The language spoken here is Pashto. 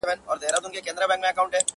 نقادان پرې اوږد بحث کوي ډېر,